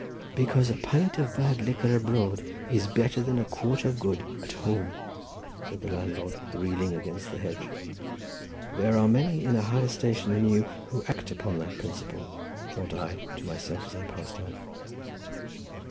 "Because a pint of bad liquor abroad is better than a quart of good at home," said the landlord, reeling against the hedge. "There are many in a higher station than you who act upon that principle," thought I to myself as I passed on.